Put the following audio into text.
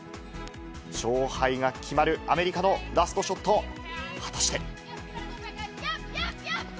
勝敗が決まるアメリカのラストショット、果たして。